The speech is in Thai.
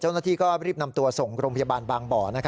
เจ้าหน้าที่ก็รีบนำตัวส่งโรงพยาบาลบางบ่อ